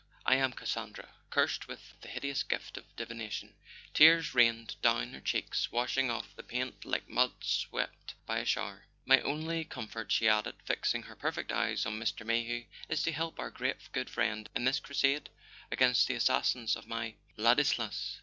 I am Cassandra, cursed with the hideous gift of divination." Tears rained down her cheeks, washing off the paint like mud swept by a shower. "My only com¬ fort," she added, fixing her perfect eyes on Mr. May¬ hew, "is to help our great good friend in this crusade against the assassins of my Ladislas."